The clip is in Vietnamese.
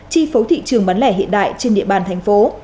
chi phối thị trường bán lẻ hiện đại trên địa bàn thành phố